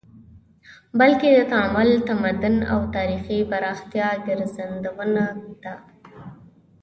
بلکې د تعامل، تمدن او تاریخي پراختیا څرګندونه ده